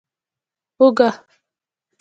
🧄 اوږه